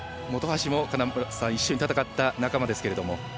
本橋も、金村さん一緒に戦った仲間ですけど。